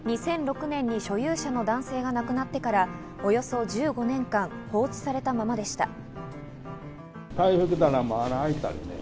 ２００６年に所有者の男性が亡くなってからおよそ１５年間放置されたままでした。